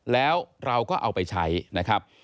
แล้วเราก็เอาไปใช้นะครับ